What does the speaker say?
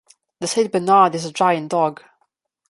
The Saint Bernard is a giant dog.